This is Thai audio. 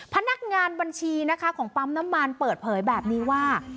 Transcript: พนักงานบัญชีนะคะของปั๊มน้ำมันเปิดเผยแบบนี้ว่า